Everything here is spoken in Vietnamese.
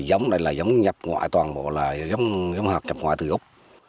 giống này là giống nhập ngoại toàn bộ là giống hạt nhập ngoại từ úc